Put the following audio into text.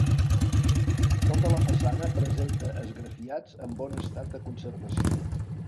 Tota la façana presenta esgrafiats en bon estat de conservació.